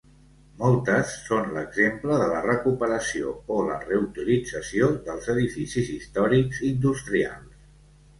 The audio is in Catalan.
Moltes són l'exemple de la recuperació o la reutilització dels edificis històrics industrials.